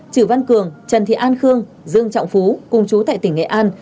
chử văn cường trần thị an khương dương trọng phú cùng chú tại tỉnh nghệ an